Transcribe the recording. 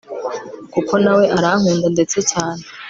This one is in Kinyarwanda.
kuko nawe arankunda ndetse cyane